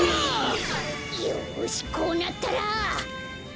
よしこうなったら。